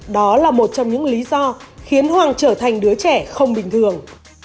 đó là một trong những lý do khiến hoàng trở thành đứa trẻ không bình thường